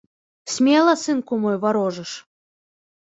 Смела, сынку мой, варожыш.